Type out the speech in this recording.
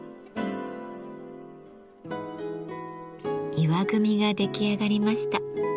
石組が出来上がりました。